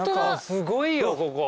すごいよここ。